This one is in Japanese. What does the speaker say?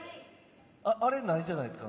あれないじゃないですか。